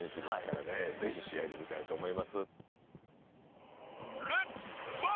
ぜひ試合で見たいと思います。